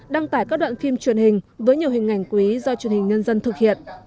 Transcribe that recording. đăng tải các đoạn phim truyền hình với nhiều hình ảnh quý do truyền hình nhân dân thực hiện